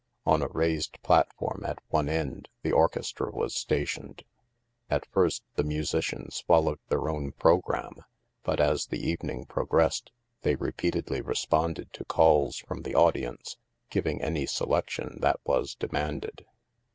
On a raised platform, at one end, the orchestra was stationed. At first, the musicians followed their own programme, but as the evening progressed, they repeatedly responded to calls from the audience, giving any selection that was demanded.